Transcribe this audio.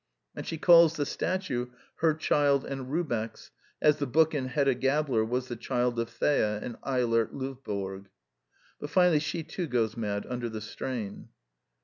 And she calls the statue her child and Rubeck's, as the book in Hedda Gabler was the child of Thea and Eilert Lovborg. But finally she too goes mad under the strain.